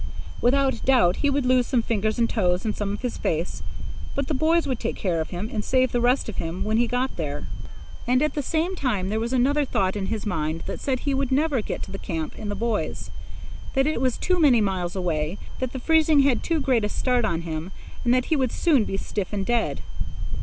Without doubt he would lose some fingers and toes and some of his face; but the boys would take care of him, and save the rest of him when he got there. And at the same time there was another thought in his mind that said he would never get to the camp and the boys; that it was too many miles away, that the freezing had too great a start on him, and that he would soon be stiff and dead.